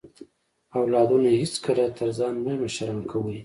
اولادونه هیڅکله تر ځان مه مشران کوئ